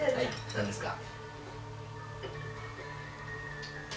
何ですか？